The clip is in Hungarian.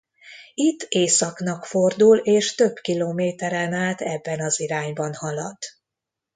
Itt északnak fordul és több kilométeren át ebben az irányban halad.